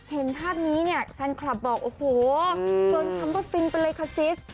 เห็นภาพนี้เนี่ยแฟนคลับบอกโอ้โหเกินคำว่าฟินไปเลยค่ะซิส